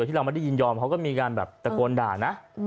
ที่เราไม่ได้ยินยอมเขาก็มีการแบบตะโกนด่านะ